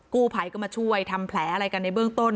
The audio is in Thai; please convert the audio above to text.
กู้ภัยก็มาช่วยทำแผลอะไรกันในเบื้องต้น